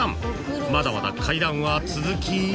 ［まだまだ階段は続き］